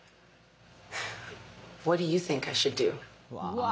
うわ。